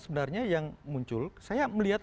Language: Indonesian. sebenarnya yang muncul saya melihat